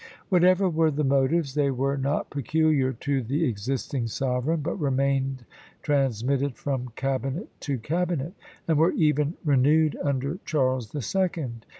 Whatever were the motives, they were not peculiar to the existing sovereign, but remained transmitted from cabinet to cabinet, and were even renewed under Charles the Second.